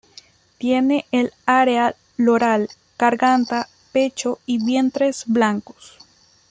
Tiene el área loral, garganta, pecho y vientre blancos.